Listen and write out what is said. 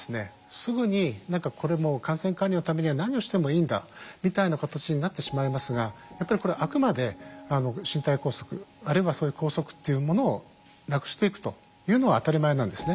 すぐに何かこれもう感染管理のためには何をしてもいいんだみたいな形になってしまいますがやっぱりこれはあくまで身体拘束あるいはそういう拘束っていうものをなくしていくというのは当たり前なんですね。